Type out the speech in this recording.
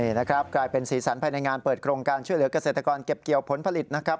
นี่นะครับกลายเป็นสีสันภายในงานเปิดโครงการช่วยเหลือกเกษตรกรเก็บเกี่ยวผลผลิตนะครับ